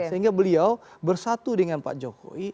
sehingga beliau bersatu dengan pak jokowi